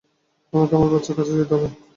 আমাকে আমার বাচ্চার কাছে যেতে হবে।